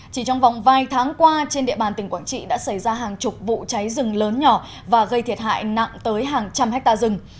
chỉ trong vòng vài tháng qua trên địa bàn tỉnh quảng trị đã xảy ra hàng chục vụ cháy rừng lớn nhỏ và gây thiệt hại nặng tới hàng trăm hectare rừng